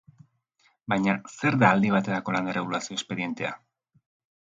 Baina, zer da aldi baterako lan-erregulazio espedientea?